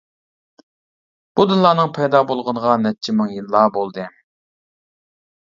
بۇ دىنلارنىڭ پەيدا بولغىنىغا نەچچە مىڭ يىللار بولدى.